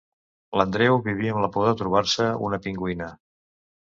L'Andreu vivia amb la por de trobar-se una pingüina.